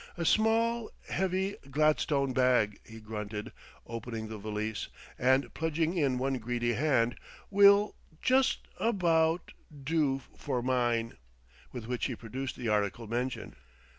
A small heavy gladstone bag," he grunted, opening the valise and plunging in one greedy hand, "will just about do for mine!" With which he produced the article mentioned.